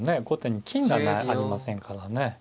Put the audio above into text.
後手に金がありませんからね。